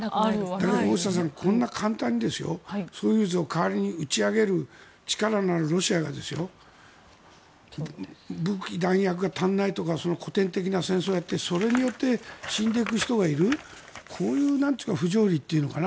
でも大下さんこんな簡単にソユーズを打ち上げられる力があるロシアが武器、弾薬が足らないとか古典的な戦争をやってそれによって死んでいく人がいるこういう不条理というのかな